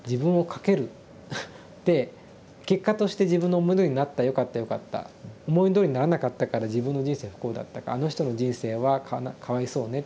で結果として自分のものになったよかったよかった思いどおりにならなかったから自分の人生不幸だったか「あの人の人生はかわいそうね」っていうですね